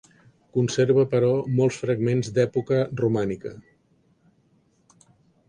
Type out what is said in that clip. Conserva, però, molts fragments d'època romànica.